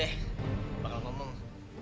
eh eh longan rozma